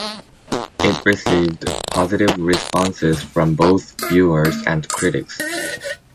It received positive responses from both viewers and critics.